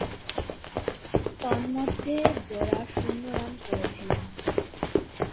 তন্মধ্যে, জোড়া শূন্য রান করেছিলেন।